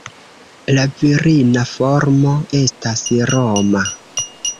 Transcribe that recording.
La virina formo estas Roma.